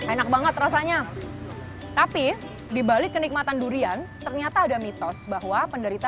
enak banget rasanya tapi dibalik kenikmatan durian ternyata ada mitos bahwa penderita